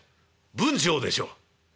文晁でしょう？」。